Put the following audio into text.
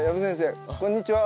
こんにちは。